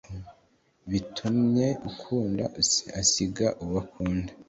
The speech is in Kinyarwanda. Bitumye ukunda asiga uwo akunda